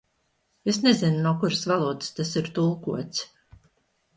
Es nezinu, no kuras valodas tas ir tulkots.